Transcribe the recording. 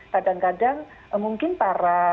kadang kadang mungkin para